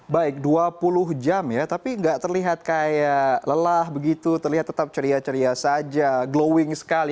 baik dua puluh jam ya tapi nggak terlihat kayak lelah begitu terlihat tetap ceria ceria saja glowing sekali